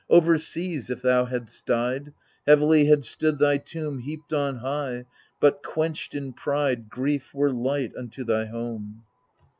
Over seas if thou had'st died, Heavily had stood thy tomb. Heaped on high ; but, quenched in pride. Grief were light unto thy home.